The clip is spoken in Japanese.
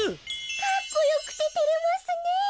かっこよくててれますねえ。